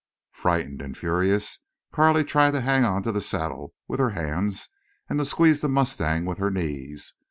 Frightened and furious, Carley tried to hang to the saddle with her hands and to squeeze the mustang with her knees.